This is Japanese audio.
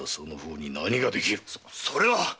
そそれは！